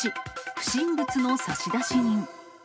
不審物の差出人。